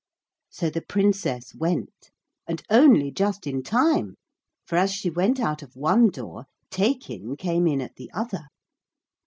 So the Princess went. And only just in time; for as she went out of one door Taykin came in at the other.